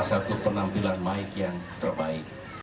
satu penampilan mike yang terbaik